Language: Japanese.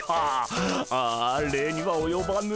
ああ礼にはおよばぬ。